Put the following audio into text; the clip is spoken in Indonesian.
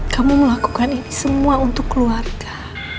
kamu melakukan ini semua untuk keluarga